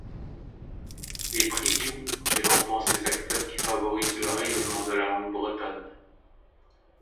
Les Prizioù récompensent les acteurs qui favorisent le rayonnement de la langue bretonne.